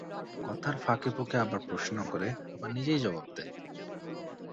কথার ফাঁকে-ফোঁকে আবার প্রশ্ন করে, আবার নিজেই জবাব দেয়।